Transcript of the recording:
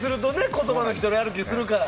言葉が一人歩きするから。